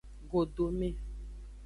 Godome.